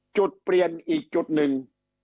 จุดเปลี่ยนอีกจุดหนึ่ง